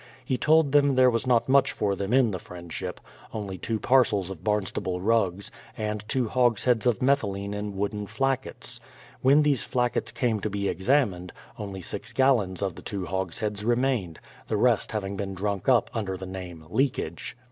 He told them there was not much for them in the Friendship, — only two parcels of Barnstable rugs, and two hogsheads of methylene in wooden flackets. When these flackets came to be examined, only six gallons of the two hogsheads remained, the rest having been drunk up under the name "leakage."